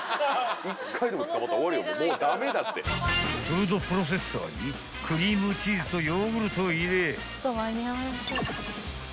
［フードプロセッサーにクリームチーズとヨーグルトを入れ］